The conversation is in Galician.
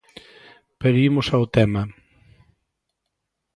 Pero imos ao tema.